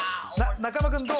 中間君どう？